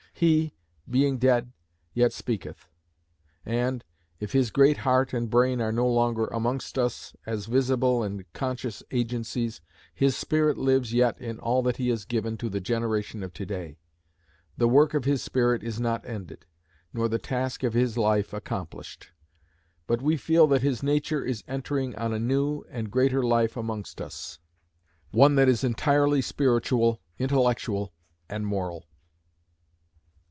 He, being dead, yet speaketh. And, if his great heart and brain are no longer amongst us as visible and conscious agencies, his spirit lives yet in all that he has given to the generation of to day: the work of his spirit is not ended, nor the task of his life accomplished; but we feel that his nature is entering on a new and greater life amongst us, one that is entirely spiritual, intellectual, and moral.